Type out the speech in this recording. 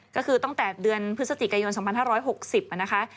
ก็คือตั้งแต่เดือนพฤศจิกายน๒๕๖๐นะคะ